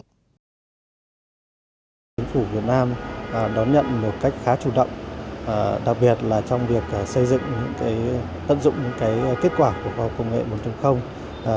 chính phủ việt nam đón nhận một cách khá chủ động đặc biệt là trong việc xây dựng tận dụng những kết quả của khoa học công nghệ một